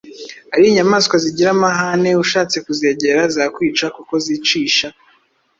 ari inyamaswa zigira amahane. Ushatse kuzegera zakwica kuko zicisha